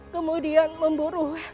kemudian memiliki kemampuan